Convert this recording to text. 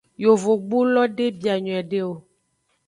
Yovogbulo de bia nyuiede o.